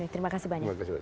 terima kasih banyak